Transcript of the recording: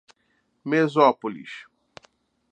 Mesópolis